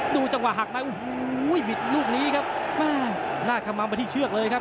ดูจังหวะหักนะโอ้โหบิดลูกนี้ครับมาน่าเข้ามาไปที่เชือกเลยครับ